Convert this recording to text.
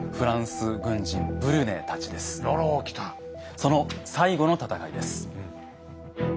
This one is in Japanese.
その最後の戦いです。